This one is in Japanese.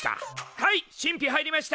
はい神秘入りました！